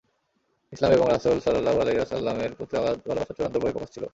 ইসলাম এবং রাসূল সাল্লাল্লাহু আলাইহি ওয়াসাল্লাম-এর প্রতি অগাধ ভালবাসার চূড়ান্ত বহিঃপ্রকাশ ছিল।